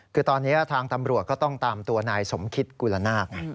คือตอนนี้ทางตำรวจก็ต้องตามตัวนายสมคิตกุลนาค